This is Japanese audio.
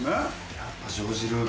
やっぱ。